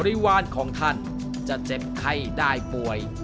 ริวารของท่านจะเจ็บไข้ได้ป่วย